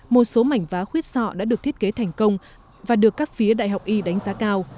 một số mảnh vát sọ đã được thiết kế thành công và được các phía đại học y đánh giá cao